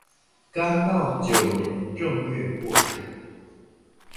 干道九年正月过世。